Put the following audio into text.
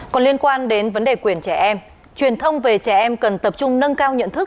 còn liên quan đến vấn đề quyền trẻ em truyền thông về trẻ em cần tập trung nâng cao nhận thức